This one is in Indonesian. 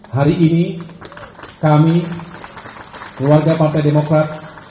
hari ini kami keluarga pak pemokrat